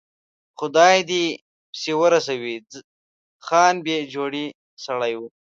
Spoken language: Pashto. خدای یې دې پسې ورسوي، خان بې جوړې سړی و.